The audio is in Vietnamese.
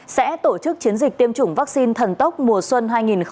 sẽ tổ chức chiến dịch tiêm chủng vaccine thần tốc mùa xuân hai nghìn hai mươi